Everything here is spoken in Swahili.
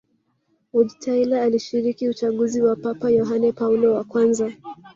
Wojtyla alishiriki uchaguzi wa Papa Yohane Paulo wa kwanza